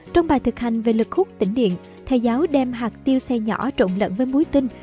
trong bài thực hành về lực khúc tỉnh điện thầy giáo đem hạt tiêu xe nhỏ trộn lẫn với muối tinh